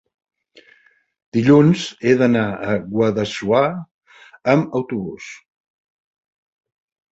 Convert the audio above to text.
Dilluns he d'anar a Guadassuar amb autobús.